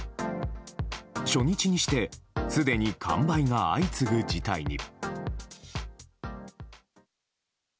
初日にしてすでに完売が相次ぐ事態に。